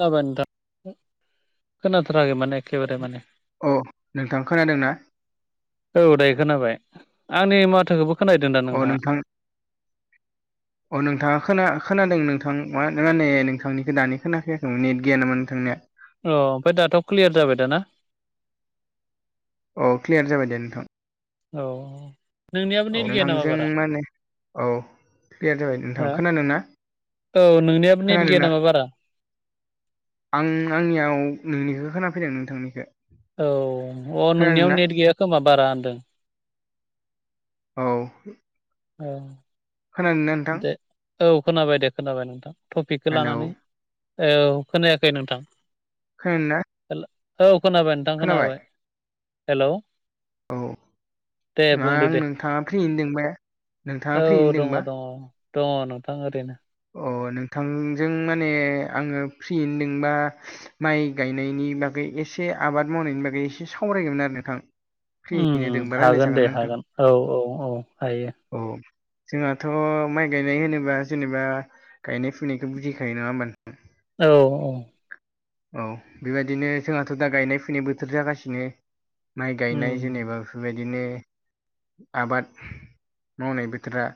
जाबायानोथाङ खोनाथाराखै माने एखेबारे माने अ नोंथां खोनादोंना औ दायो खोनाबाय आंनि माथोखौबो खोनाहैदों दा अ नोंथाङा नोंथां [inaudible] अ नोंथाङा ख खोनादों नोंथां मा ना नै नोंथांनिखौ दानि खोनाखायाखैमोन नेट गैया नामा नोंथांनिया अ ओमफ्राय दाथ' क्लियार जाबाय दाना अ क्लियार जाबाय दे नोंथां औ नोंनियाबो औ नेट गैया नामा नोंथांजों बारा मा होनो औ क्लियार जाबाय नोंथां हो खोना नोंना औ नोंनियाबो नेट गैया नामा बारा आं आंनियाव नोंनिखौ खोना फैदों नोंथांनिखौ औ अ नोंनियाव खोनादोंना नेट गैया खोमा बारा होनदों औ औ होनानै ननो नोंथां दे औ खोनाबाय दे खोनाबाय नोंथां टपिकखौ हेलौ लानानै औ खोनायाखै नोंथां खोनादोंना औ खोनाबाय नोंथां खोनाबाय खोनाबाबाय हेल' औ ना आं नोंथाङा फ्रियेनो दोंबा नोंथाङा औ फ्रियैनो दङ दोंबा दङ दङ नोंथां ओरैनो अ नोंथांजों माने आङो फ्रि होनदोंबा माइ गायनायनि बागै एसे आबाद मावनायनि बागै एसे सावरायगौमोन आरो नोंथां फ्रियैनो दोंबा हागोन दे रायज्लायजागोन नोंथां हागोन औ औ औ हायो औ जोंहाथ' माइ गायनाय होनोबा जेनेबा गायनाय फुनायखौ बुजिखायो नङा होमब औ औ औ बेबायदिनो जोंहाथ' दा गायनाय फुनाय बोथोर जागासिनो माइ गायनाय उम जेनेबा बेबायदिनो आबाद मावनाय बोथोरा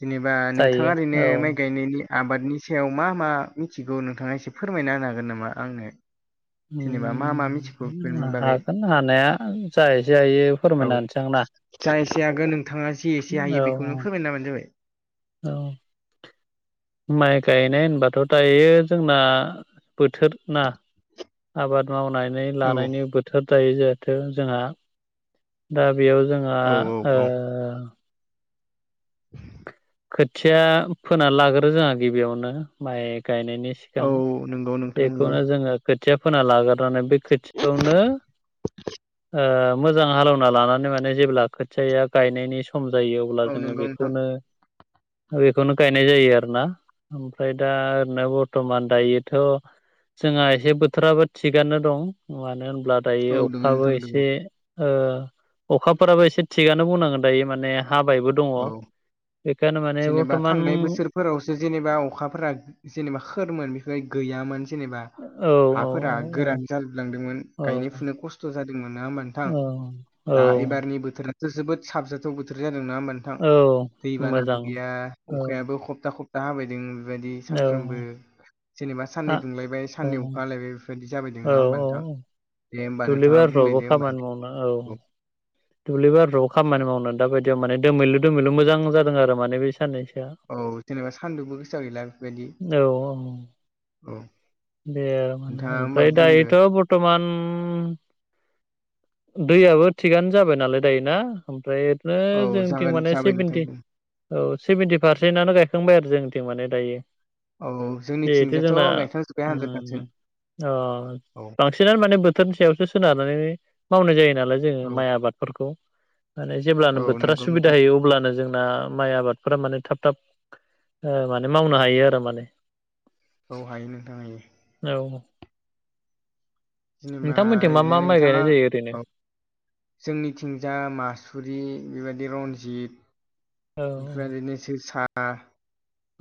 जेनेबा नोंथाङा जायो ओरैनो औ माइ गायनायनि आबादनि सायाव मा मा मिथिगौ नोंथाङा एसे फोरमायना होन हागोन नामा आंनो जेनेबा मा मा मिथिगौ उम बेफोरनि बागै हागोन हानाया जा एसे हायो औ फोरमायना होनोसै आं जा एसे हगोन नोंथाङा जि एसे ना हायो औ बेखौनो फोरमायना होबानो जाबाय औ माइ गायनाय होनबाथ' दायो जोंना बोथोर ना आबाद मावनानै औ लानायनि बोथोर जायो जिहेथु जोंहा दा बेयाव जोंहा औ औ खोथिया फोना लाग्रो जोंहा गिबियावनो माइ गायनायनि सिगां औ नंगौ नोंथां नंगौ बेखौनो जोंङो खोथिया फोना लाग्रनानै बे खोथियावनो मोजां हालवना लानानै माने जेब्ला खोथिाया गायनायनि सम जायो अब्ला औ जोङो नंगौ नोंथां बेखौनो बेखौनो गायनाय जायो आरो ना ओमफ्राय दा ओरैनो बरथमान दायोथ' जोंहा एसे बोथोराबो थिगानो दं मानो होनब्ला औ दायो दोङो अखाबो नोंथां दोङो एसे ओ अखाफोराबो एसे थिगानो बुंनांगोन दायो माने हाबायबो दङ औ बेखायने माने बरथमान फोरावसो जेनेबा अखाफोरा जेनेबा सोरमोन बेफोर गैयामोन। जेनेबा औ औ हाफोरा गोरान जालोबलांदोंमोन औ गायनाय-फुनाय खस्थ' जादोंमोन नाङा ओमबा थां औ औ दा एबारनि बोथोर जोबोद साबजाथाव बोथोर जादों ना ओमबा नोंथां औ दैबाना मोजां गैया औ अखायाबो खब्था खबथा दा हाबायदों बेबायदि औ सानफ्रामबो जेनेबा आ साननै दुंलायबाय औ साननै अखा हालायबाय। बेबायदि जाबाय नोंङा औ औ होनोमबा औ नोंथां दे होमबा दुब्लि नोंथाङा बारिफ्रावबो बुंलायदो होमबा खामानि दे मावनो औ दुब्लि बारुआव खामानि मावनो दाबायदियाव माने दोमैलु- दोमैलु मोजां जादों आरो माने बे साननैसोआ। औ जेनेबा सान्दुंबो गोसो गैला बेफोरबायदि औ। दे आरो माने नोंथाङा होमबा ओमफ्राय बुंदो दायोथ' बरथमान दैयाबो थिगानो जाबाय नालाय दायो ना ओमफ्राय ओरैनो औ जोंनिथिं जागोन माने जाबाय नोंथां सेभेनटि। औ सेभेन्टि पारसेन्टनो गायखांबाय आरो जोंथिं माने दायो। औ जोंनिथिंजायथ' गायखांजोबबाय ओम औ बांसिन माने बोथोरनि सायावसो सोनारनानै मावनाय जायो नालाय जोंङो औ माइ आबादफोरखौ माने औ जेब्लानो बोथोरा नंगौ सुबिदा नोंथां होयो अब्लानो जोंना माइ आबादफोरा माने थाब-थाब माने मावनो हायो आरो माने। औ हाय नोंथां हायो। औ जेनेबा नोंथांमोनथिं मा ओरैनो मा माइ नोंथाङा गायनाय जायो ओरैनो। औ जोंनिथिंजा मासुरि बेबायदि रनजित। औ बेफोरबायदिनो जोसा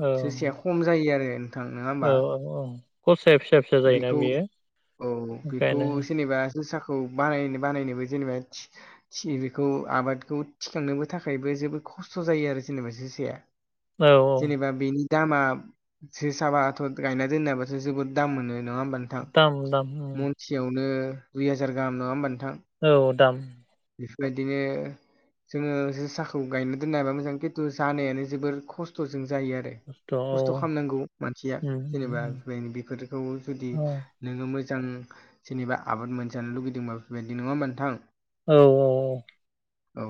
औ जोसाया खम जायो आरो नोंथां नङा होमबा। औ‌ औ। खसाया फिसा-फिसा। बेखौ औ बेखौ जेनेबा जोसाखौ बाहायनो बानायनोबो जेनेबा थि थि बेखौ आबादखौ थिखांनोबो थाखायबो जोबोद खस्थ' जायो आरो जेनेबा जोसाया। औ जेनेबा बेनि दामा जोसाबाथ' गायना दोननायाबाथ' जोबोद दाम मोनो नङा होमब नोंथां दाम दाम उम मनसेयावनो दुइ हाजार गाहाम नङा होमब नोंथां। औ दाम। बेफोरबायदिनो जोंङो जोसाखौ गायनो दोननो हाबा मोजां खिन्थु जानायानो जोबोर खस्थ'जों जायो आरो। औ खस्थ' उम खालामनांगौ मानसिया उम जेनेबा उम बे बेफोरखौ जुदि औ औ नोंङो मोजां जेनेबा आबाद मोनजानो लुगैदोंबा बेफोरबायदि नङा होमा नोंथां। औ अ औ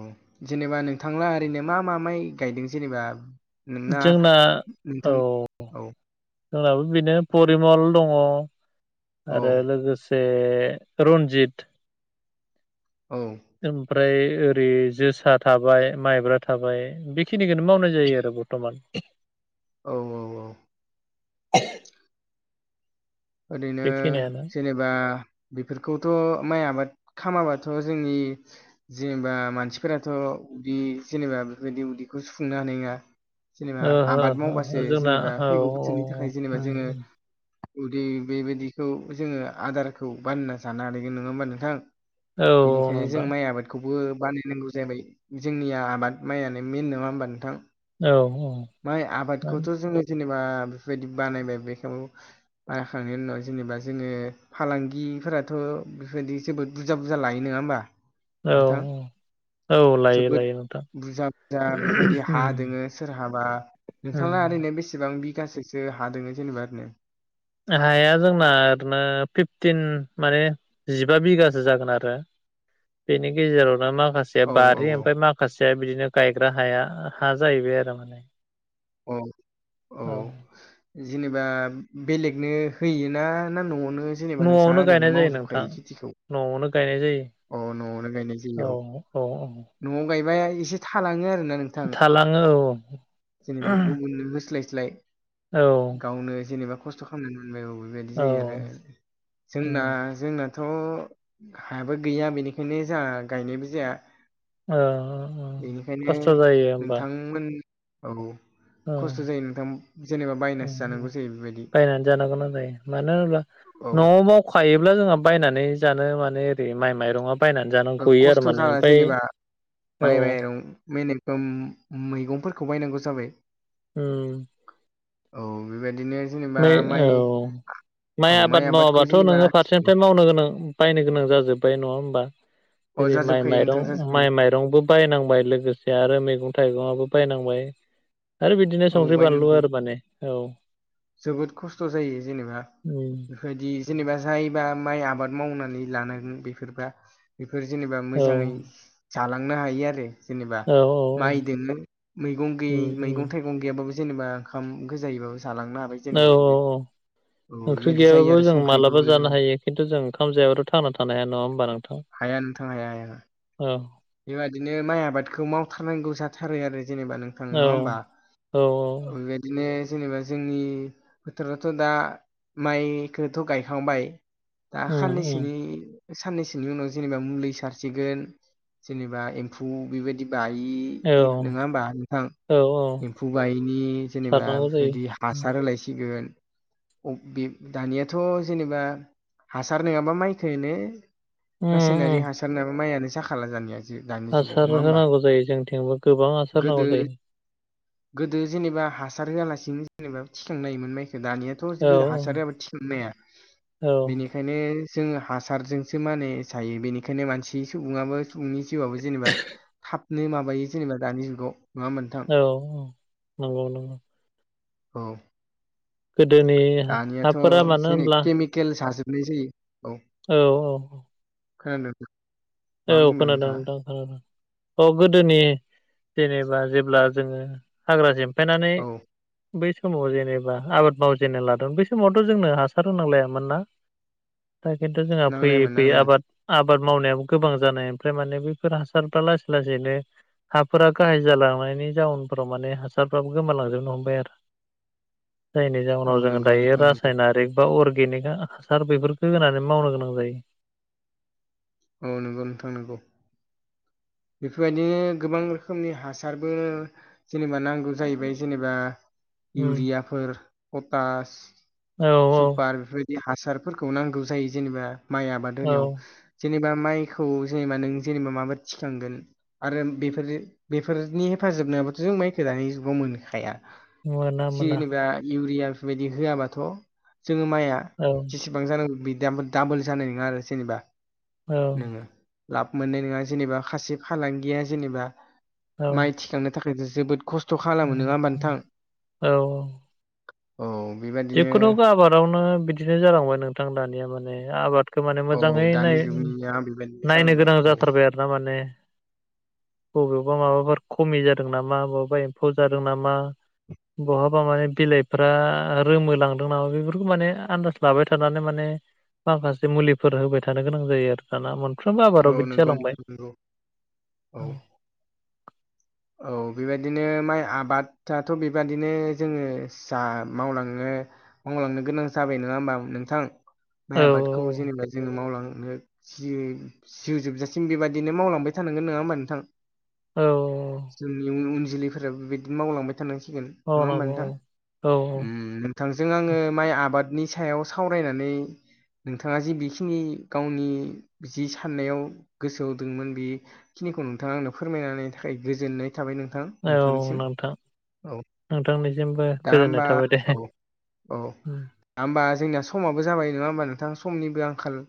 जेनेबा नोंथांला ओरैनो मा-मा माय गायदों जेनेबा? नोंना जोंना औ नोंथां औ जोंनाबो बिनो परिमल दङ औ आरो लोगोसे ए रन्जित। औ। ओमफ्राय ओरै जोसा थाबाय, माइब्रा थाबाय। बेखिनिखौनो मावनाय जायो आरो बरथ'मान। औ औ औ। [unintelligible] ओरैनो बेखिनियानो जेने बा बेफोरखौथ' माइ आबाद खामाबाथ' जोंनि जेनेबा मानसिफोराथ' उदि जेनेबा बेफोरबायदि उदिखौ सुफुंनो हानाय नङा। जेनेबा ओ हो आबाद हो मावबासो हो जोंना जेनेबा औ फैगौ बोसोरनि थाखाय जेनेबा औ जोंङो जुदि बेबायदिखौ जोंङो आदारखौ बानना जानो हागोन। नंङा होमबा नोंथां? औ बेनिखायनो जों नोंथां माइ आबाद खौबो बानायनांगौ जाबाय। जोंनिया आबाद मायानो मेन नङा होमबा नोंथां? औ माइ औ आबादखौथ' जोङो जेनेबा बेफोरबायदि बानायबाय बेखौ माइ हाखांनायनि उनाव जेनेबा जोङो फालांगिफोराथ' बेफोरबायदि जोबोद बुरजा बुरजा लायो। नङा होमबा? औ नोंथां उ जोबोद बुरजा-बुरजा बेफोरबायदि हा दोङो सोरहाबा नोंथांना उम ओरैनो बेसेबां बिगासोसो हा दोङो जेनेबा ओरैनो? हाया जोंना ओरैनो फिफटिन माने जिबा बिगासो जागोन आरो। बेनि गेजेरावनो माखासे औ बारि ओमफ्राय माखासेया बिदिनो गायग्रा हाया हा जाहैबाय आरो माने। औ औ जेनेबा बेलेगनो होयोना ना न'आवनो जेनेबा नोंस्रा न'आवनो गायनाय ओरैनो जायो नोंथां मावजोबखायो खेथिखौ? न'आवनो गायनाय जायो। अ न'आवनो गायनाय जायो औ अ औ न'आव गायबा एसे थालाङो आरोना नों थालाङो औ। जेनेबा गुबुननो होस्लायस्लाय औ गावनो जेनेबा खस्थ' खालामनानै मोनबाय औ। बेबायदि औ जायो आरो जोंना उम जोंनाथ' हायाबो गैया बेनिखायनो जोंहा गायनायबो जाया। अ अ अ बेनिखायनो खस्थ' जायो होमबा? [unintelligible] [unintelligible] औ औ खस्थ' जायो नोंथां जेनेबा बायनासो जानांगौ जायो बेबायदि बायनानै जानो गोनां जायो। मानो होनोब्ला औ न'आव मावखायोब्ला जोंहा बायनानै जानो माने ओरै माइ माइरङा बायनानै जानो गयो आरो खस्थ' माने जाला ओमफ्राय जेनेबा औ माइ-माइरं बे नों ओम मैगंफोरखौ बायनांगौ जाबाय [unintelligible] [unintelligible] औ बेबायदिनो जेनेबा बे औ माइ माइ औ आबाद आबादखौ मावाबाथ' जेनेबा नोङो फारसेनिफ्राय मावनो गोनां बायनो गोनां जाजोब्बाय। नङा होमबा? अ जेरै माइ जाजोबखायो नोंथां माइरं जाजोबखायो माइ-माइ रंबो बायनांबाय लोगोसे आरो मैगं थाइगंआबो बायनांबाय। आरो बिदिनो औ संख्रि-बानलु बायनांगौ आरो माने। औ जोबोद खस्थ' जायो जेनेबा उम बेफोरबायदि जेनेबा जायोबा माइ आबाद मावनानै लानांगोन बेफोरबा बेफोर जेनेबा औ मोजाङै जालांनो हायो आरो जेनेबा औ माइ दोनो ममैगं गैयि उम मैगं उम थाइगं गैयाबाबो जेनेबा ओंखाम गोजायैबाबो जालांनो हा औ। ओंख्रि बेबायदि जायो गैयाबाबो आरो जों संख्रिबो मालाब जानो हायो। खिन्थु जों ओंखाम जायाबाथ' थांनाा थानो हाया नङा होनबा नोंथां? हाया नोंथां हाया हाया। औ बेबादिनो माइ आबादखौ मावथारनांगौ जाथारो आरो जेनेबा नोंथां औ नङा होमबा औ औ। बेबायदिनो जेनेबा जोंनि फोथोरावथ' दा माइखौथ' गायखांबाय दा उम उम साननैसोनि साननैसोनि उनाव जेनेबा मुलि सारसिगोन जेनेबा एम्फौ औ बेबायदि [unintelligible] नङा होमबा नोंथां औ औ एम्फौ बायैनि जेनेबा सारनांगौ जायो बेबायदि उम हासार होलायसिगोन बे दानियाथ' जेनेबा हासार नङाबा माइखोनो उम रासायनारिक उम हासार नंयाब्ला माइआानो जाखाला दानिआ हासार होनांगौ जायो जोंथिंबो गोबां हासार गोदो होनांगौ जायो। गोदो जेनेबा हासार होआलासिनो जेनेबा थिखांनोनायोमोन माइखौ औ दानिया हासार होयाबा थिखोनो हाया औ बेनिखाय ओंखायनो जों हासारजोंसो माने जायो बेनिखायनो मानसि सुबुङाबो फुंनि जिउआवबो जेनेबा थाबनो माबायो जेनेबा दानि जुगाव। नङा होमबा नोंथां औ औ नंगौ नंगौ। औ। गोदोनि दानियाथ' हाफोरा मानो जेन होनब्ला केमिकेल जाजोबनाय जायो। औ। औ औ। खोनादों नोंथां। मा औ बुंदों खोनादों नोंथाङा नोंथां खोनादों औ गोदोनि जेनेबा जेब्ला जोङो हाग्रा सेमफायनानै। औ बै समाव जेनेबा आबाद मावजेनना लादों बै समावथ' जोंनो हासार होनांलायामोनना। दा खिन्थु जोंहा फैयै नांलायामोन फैयै नांलायामोन आबाद आबाद मावनायाव गोबां जानाय ओमफ्राय माने बेफोर हासारफ्रा लासै लासैनो। हाफोरा गाज्रि जालांनायनि जाउनफोराव माने हासारफोराबो गोमालांजोबनो हमबाय आरो। जायनि औ जाहोनाव जोंङो नंगौ दायो नोंथां नंगौ रासायनारिक बा अर्गेनिक हासार बेफोरखौ होनानै मावनो गोनां जायो। औ नंगौ नोंथां नंगौ। बेफोरबायदिनो गोबां रोखोमनि हासारबो जेनेबा नांगौ जाहैबाय जेनेबा। उम इउरियाफोर पटास औ सुपार बेफोर बायदि बे हासारफोरखौ नांगौ जायो जेनेबा माइ आबाद औ होनायाव। जेनेबा माइखौ जेनेबा नों जेनेबा माबा थिखांगोन आरो बेफोरनि हेफाजाब नङाबाथ' जों माइखौ दानि जुगाव मोनखाया मोना । मोना जेनेबा इउरिया बेफोरबायदि होआबाथ' जोङो माइआ। औ जेसेबां जानांगौ बिदि दाबोल जानाय नङा आरो जेनेबा औ नोङो। लाब मोननाय नङा जेनेबा खासे फालांगिया जेनेबा औ माइ थिखांनो थाखाय। जोबोद खस्थ' खालामो उम नङा होमबा उम नोंथां औ औ औ बेबाय जिखुनु आबादावनो बिदिनो जालांबाय नोंथां दानिया माने आबाद। [unintelligible] माने औ मोजाङै दानि जुगनिया बेबायदिनो नायनो जालांबाय गोनां औ जाथारबाय आरोना माने। बबेयावबा माबाफोर खमि जादों नामा बबेयावबा एम्फौ जादों नामा। बहाबा माने बिलाइफ्रा। रोमो लांदों नामा बेफोरखौ माने आन्दाज लाबाय थानानै माने। माखासे मुलिफोर होबाय थानो गोनां जायो आरो। दाना मोनफ्रोमबो औ आबादाव बिदि नंगौ जालांबाय नोंथां नंगौ औ। औ बेबायदिनो माइ आबादथ' बेबादिनो जोङो जा मावलाङो मावलांनो गोनां जाबाय नङा होमबा नोंथां औ माइ आबादखौ जेनेबा जोङो मावलांनो जि जिउ जोबजासिम बेबायदिनो मावलांबाय थानांगोन। नङा होमबा नोंथां? औ। जोंनि उन उन जोलैफोराबो बेबायदिनो मावलांबाय थानांसिगोन औ नङा होमबा नंगौ नोंथां। औ नोंथांजों आङो माइ आबादनि सायाव सावरायनानै नोंथाङा जि बिखिनि गावनि जि साननायाव गोसो हो दंमोन बे बिखिनिखौ नोंथाङा आंनो फोरमायनानै थाखाय गोजोननाय। थाबाय नोंथां औ नोंथांनिसिम नोंथां औ नोंथांनिसिमबो दा गोजोननाय होमबा थाबाय दे। औ औ उम। होमबा जोंनिया समाबो जाबाय नङा होमबा नोंथां समनिबो आंखाल।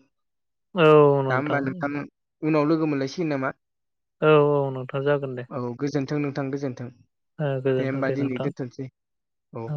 दा होमबा नोंथां उनाव लोगो मोनलायसिगोन नामा? औ औ नोंथां जागोन दे। औ गोजोन्थों नोंथां गोजोन्थों ओ दे गोजोनथों होमबा दिनै नोंथां दोनथ'सै औ।